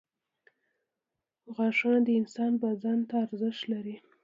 • غاښونه د انسان بدن ته ارزښت لري.